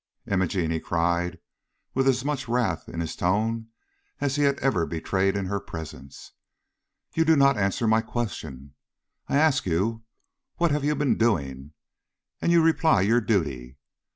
"Imogene," he cried, with as much wrath in his tone as he had ever betrayed in her presence, "you do not answer my question. I ask you what you have been doing, and you reply, your duty.